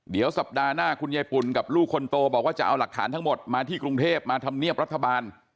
เดี๋ยวสัปดาห์หน้าคุณยายปุ่นกับลูกคนโตบอกว่าจะเอาหลักฐานทั้งหมดมาที่กรุงเทพมาทำเนียบรัฐบาล